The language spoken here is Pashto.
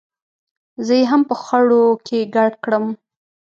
زه یې هم په خړو کې ګډ کړم.